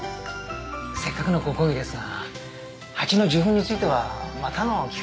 せっかくのご講義ですが蜂の受粉についてはまたの機会にという事で。